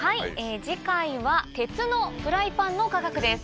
次回は鉄のフライパンの科学です。